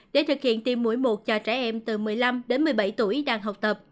để thực hiện tiêm mũi một cho trẻ em từ một mươi năm đến một mươi bảy tuổi đang học tập